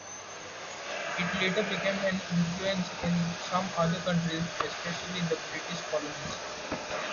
It later became an influence in some other countries, especially the British colonies.